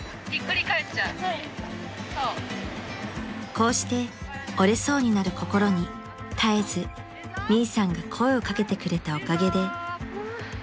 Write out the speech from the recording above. ［こうして折れそうになる心に絶えずミイさんが声を掛けてくれたおかげで］